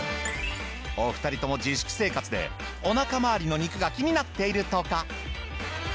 お二人とも自粛生活でお腹まわりの肉が気になっているとか。